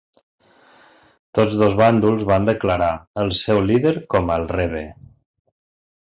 Tots dos bàndols van declarar el seu líder com el Rebbe.